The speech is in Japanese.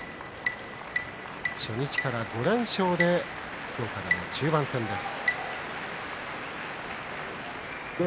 初日から５連勝で今日から中盤戦です。